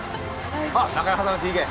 あっ中山さんのＰＫ。